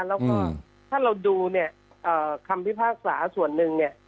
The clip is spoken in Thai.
แล้วถ้าเราดูคำพิพากษาส่วนนึง